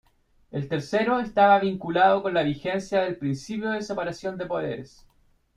El tercero estaba vinculado con la vigencia del principio de separación de poderes.